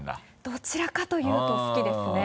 どちらかというと好きですね。